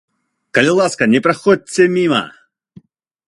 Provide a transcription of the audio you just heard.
Калі ласка, не праходзьце міма!